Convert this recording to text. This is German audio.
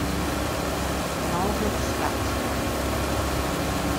Maurits, lat.